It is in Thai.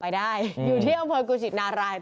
ไปได้อยู่ที่อกรุชินารัย